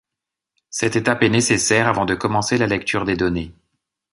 Cette étape est nécessaire avant de commencer la lecture des données.